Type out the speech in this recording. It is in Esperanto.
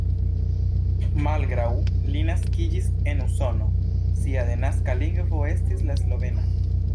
Malgraŭ li naskiĝis en Usono, sia denaska lingvo estis la slovena.